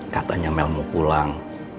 katanya mel mau pulang